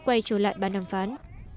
quay trở lại bàn đàm phán